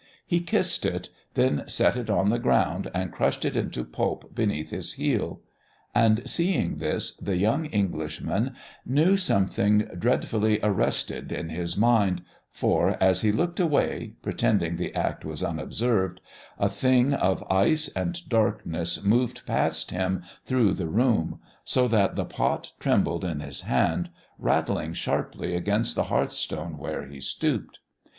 He kissed it, then set it on the ground and crushed it into pulp beneath his heel. And, seeing this, the young Englishman knew something dreadfully arrested in his mind, for, as he looked away, pretending the act was unobserved, a thing of ice and darkness moved past him through the room, so that the pot trembled in his hand, rattling sharply against the hearthstone where he stooped.